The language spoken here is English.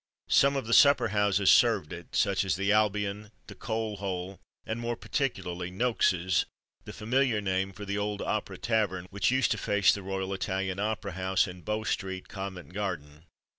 Some of the supper houses served it such as the Albion, the Coal Hole, and more particularly, "Noakes's," the familiar name for the old Opera Tavern which used to face the Royal Italian Opera House, in Bow Street, Covent Garden.